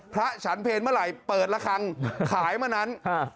พระฉันเพลเมื่อไหร่เปิดละครั้งขายเมื่อนั้น